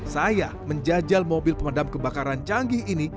saya menjajal mobil pemadam kebakaran canggih ini